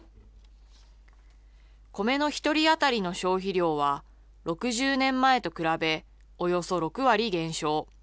米の１人当たりの消費量は、６０年前と比べ、およそ６割減少。